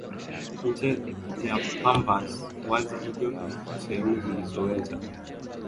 nje ya pampas wazi hivyo sehemu zisizoweza